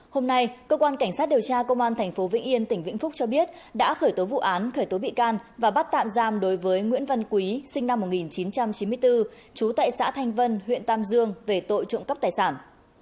hôm nay cơ quan cảnh sát điều tra công an tp vĩnh yên tỉnh vĩnh phúc cho biết đã khởi tố vụ án khởi tố bị can và bắt tạm giam đối với nguyễn văn quý sinh năm một nghìn chín trăm chín mươi bốn trú tại xã thanh vân huyện tam dương về tội trộm cắp tài sản